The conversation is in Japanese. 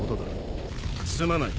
すまない。